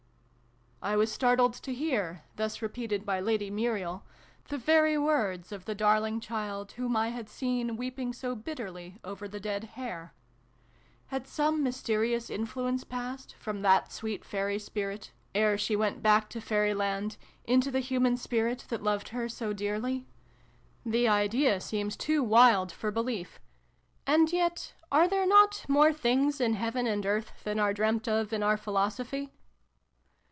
" I was startled to hear, thus repeated by Lady Muriel, the very words of the darling child whom I had seen weeping so bitterly over the dead hare. Had some mysterious influ ence passed, from that sweet fairy spirit, ere u 2 292 SYLVIE AND BRUNO CONCLUDED. she went back to Fairyland, into the human spirit that loved her so dearly ? The idea seemed too wild for belief. And yet, are there not ' more things in heaven and earth than are dreamt of in oiir philosophy